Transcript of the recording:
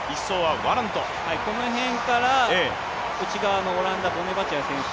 この辺から内側のオランダ、ボネバチア選手